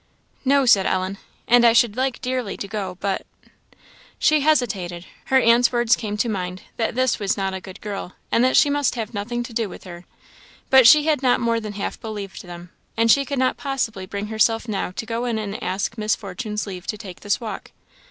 "No," said Ellen, "and I should like dearly to go, but" She hesitated. Her aunt's words came to mind, that this was not a good girl, and that she must have nothing to do with her; but she had not more than half believed them, and she could not possibly bring herself now to go in and ask Miss Fortune's leave to take this walk.